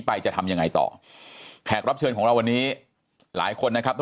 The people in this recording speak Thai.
จะทำยังไงต่อแขกรับเชิญของเราวันนี้หลายคนนะครับ